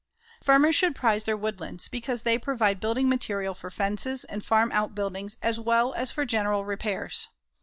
Farmers should prize their woodlands because they provide building material for fences and farm outbuildings as well as for general repairs.